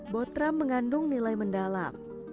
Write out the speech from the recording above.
potram mengandung nilai mendalam